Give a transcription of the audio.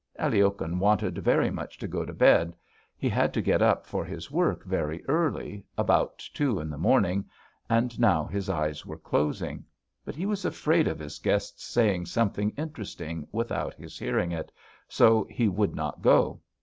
Aliokhin wanted very much to go to bed; he had to get up for his work very early, about two in the morning, and now his eyes were closing, but he was afraid of his guests saying something interesting without his hearing it, so he would not go.